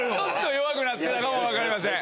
弱くなってたかも分かりません。